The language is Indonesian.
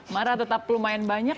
marah tetap lumayan banyak